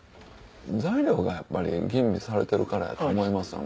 材料が吟味されてるからだと思いますよね。